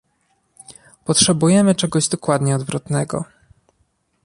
Potrzebujemy czegoś dokładnie odwrotnego